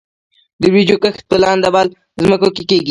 د وریجو کښت په لندبل ځمکو کې کیږي.